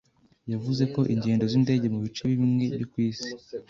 Yavuze ko ingendo z'indege mu bice bimwe byo ku isi,